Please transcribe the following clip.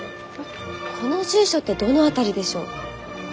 この住所ってどの辺りでしょう？